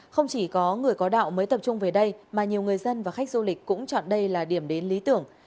không chỉ có người có đạo mới tập trung về đây mà nhiều người dân và khách du lịch cũng chọn đây là điểm đến lý tưởng